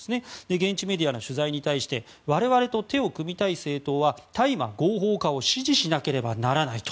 現地メディアの取材に対して我々と手を組みたい政党は大麻合法化を支持しなければならないと。